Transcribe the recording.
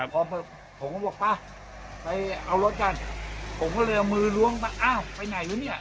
พอผมก็บอกป่ะไปเอารถกันผมก็เลยเอามือล้วงมาอ้าวไปไหนรู้เนี่ย